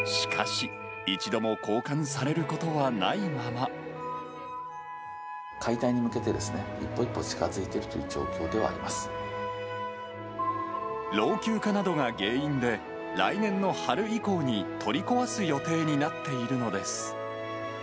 しかし、解体に向けて一歩一歩近づい老朽化などが原因で、来年の春以降に取り壊す予定になっているのです。